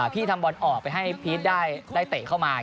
พี่ทำบอลออกไปให้พีชได้เตะเข้ามา